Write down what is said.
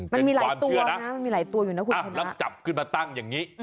มันมีหลายตัวนะมันมีหลายตัวอยู่นะคุณชนะแล้วจับขึ้นมาตั้งอย่างนี้